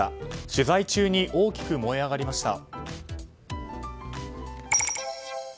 取材中に大きく燃え上がりました。